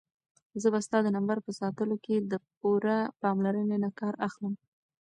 زه به ستا د نمبر په ساتلو کې د پوره پاملرنې نه کار اخلم.